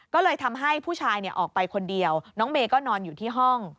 ก็เลยทำให้ผู้ชายออกไปคนเดียวน้องเมย์ก็นอนอยู่ที่ห้อง